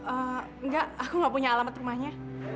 enggak aku nggak punya alamat rumahnya